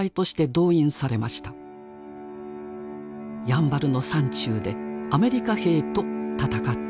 やんばるの山中でアメリカ兵と戦ったのです。